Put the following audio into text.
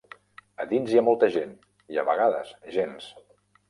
A dins hi ha molta gent, i a vegades, gens.